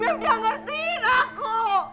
beb gak ngertiin aku